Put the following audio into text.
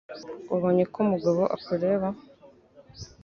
Wabonye ko Mugabo akureba?